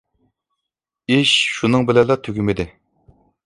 ئىش شۇنىڭ بىلەنلا تۈگىمىدى.